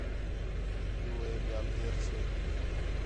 پِیؤُ ہے ٻِیال دیر چھے تی